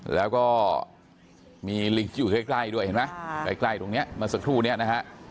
แล้วก็มีลิงที่อยู่ใกล้ด้วยเห็นไหมใกล้ตรงนี้เมื่อสักครู่นี้นะฮะ